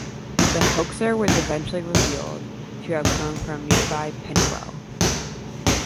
The hoaxer was eventually revealed to have come from nearby Pennywell.